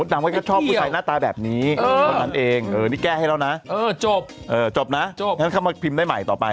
ดังคตก็ชอบผู้ใส่หน้าตาแบบนี้คนนั้นเองนี่แก้ให้แล้วนะจบนะงั้นเข้ามาพิมพ์ได้ใหม่ต่อไป